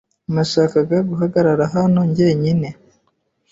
Nashakaga guhagarara hano jyenyine.